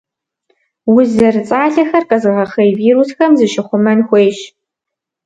Уз зэрыцӏалэхэр къэзыгъэхъей вирусхэм зыщыхъумэн хуейщ.